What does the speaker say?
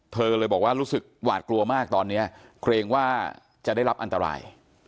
เธอเลยบอกว่ารู้สึกหวาดกลัวมากตอนนี้เกรงว่าจะได้รับอันตราย